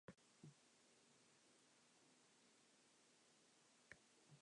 Price was supposed to be the great receiver that the Falcons needed to excel.